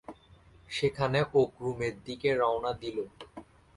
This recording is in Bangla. সেখানে ওক রুমের দিকে রওনা দিল।